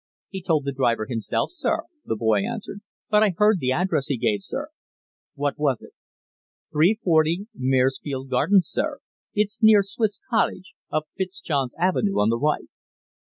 "He told the driver himself, sir," the boy answered, "but I heard the address he gave, sir." "What was it?" "Three forty, Maresfield Gardens, sir. It's near Swiss Cottage up Fitzjohn's Avenue on the right."